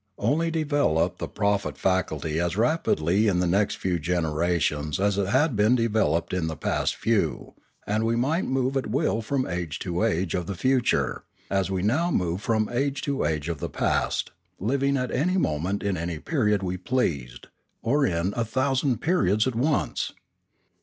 Only develop the prophet faculty as rapidly in the next 486 Limanora few generations as it had been developed in the past few, and we might move at will from age to age of the future, as we now move from age to age of the past, living at any moment in any period we pleased, or in a thousand periods at once.